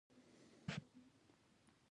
د تودوخې مناسبې درجې ته اړتیا لرو.